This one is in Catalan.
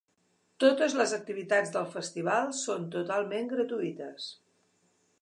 Totes les activitats del festival són totalment gratuïtes.